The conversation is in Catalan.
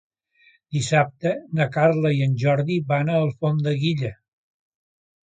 Dissabte na Carla i en Jordi van a Alfondeguilla.